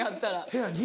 部屋に？